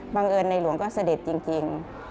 บังเอิญในหลวงก็เสด็จจริง